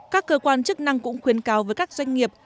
các cơ quan chức năng cũng khuyến cáo với các doanh nghiệp